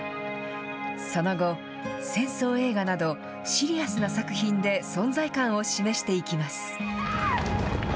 その後、戦争映画などシリアスな作品で存在感を示していきます。